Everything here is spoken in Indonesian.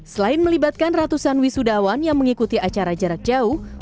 selain melibatkan ratusan wisudawan yang mengikuti acara jarak jauh